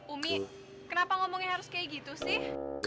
umi kenapa ngomongnya harus kayak gitu sih